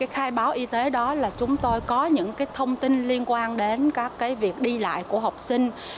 khai báo y tế đó là chúng tôi có những thông tin liên quan đến việc đi lại của học sinh